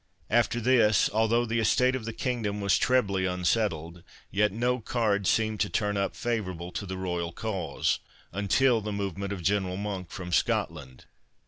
After this, although the estate of the kingdom was trebly unsettled, yet no card seemed to turn up favourable to the royal cause, until the movement of General Monk from Scotland.